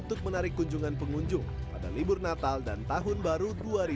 dan juga menarik kunjungan pengunjung pada libur natal dan tahun baru dua ribu dua puluh satu